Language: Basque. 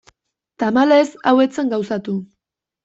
Tamalez, hau ez zen gauzatu.